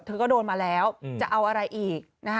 เธอก็โดนมาแล้วจะเอาอะไรอีก